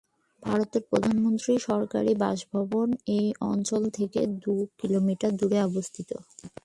ভারতের প্রধানমন্ত্রীর সরকারি বাসভবন এই অঞ্চল থেকে দুই কিলোমিটার দূরে অবস্থিত।